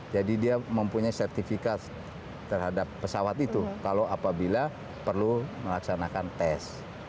jadi dia mempunyai sertifikat terhadap pesawat itu kalau apabila perlu melaksanakan tes